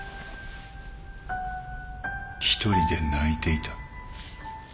１人で泣いていた。